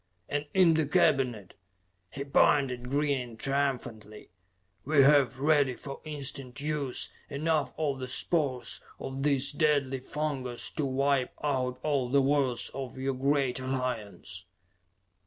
And in the cabinet," he pointed grinning triumphantly "we have, ready for instant use, enough of the spores of this deadly fungas to wipe out all the worlds of your great Alliance.